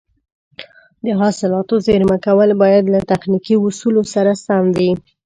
د حاصلاتو زېرمه کول باید له تخنیکي اصولو سره سم وي.